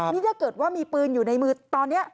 นี่ถ้าเกิดว่ามีปืนอยู่ในมือตอนนี้